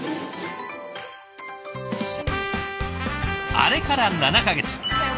あれから７か月。